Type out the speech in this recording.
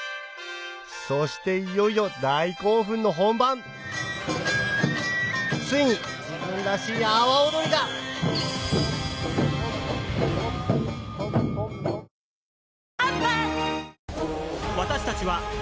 そしていよいよ大興奮の本番ついに自分らしい阿波おどりが内藤大助